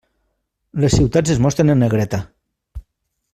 Les ciutats es mostren en negreta.